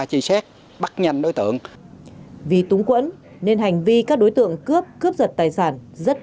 truy xét bắt nhầm đối tượng vì túng quẫn nên hành vi các đối tượng cướp cướp giật tài sản rất